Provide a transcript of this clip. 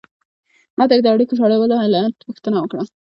ما ترې د اړیکو شلولو علت پوښتنه وکړه.